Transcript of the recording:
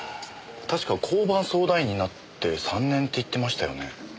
確か交番相談員になって３年って言ってましたよね。